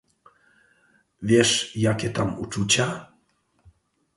"wiesz, jakie tam uczucia?..."